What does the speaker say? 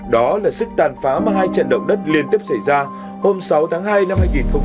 đó là sức tàn phá mà hai trận động đất liên tiếp xảy ra hôm sáu tháng hai năm hai nghìn hai mươi